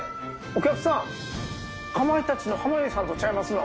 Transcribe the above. お客さんかまいたちの濱家さんとちゃいますの？